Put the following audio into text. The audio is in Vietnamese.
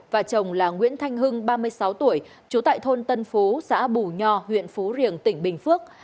và chồng là nguyễn thanh hưng ba mươi sáu tuổi trú tại thôn tân phú xã bù nho huyện phú riềng tỉnh bình phước